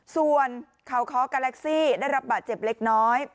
ส่วนเขาค้อกาแล็กซี่ได้รับบาดเจ็บเล็กน้อย